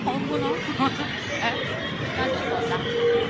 えっなんの捜査？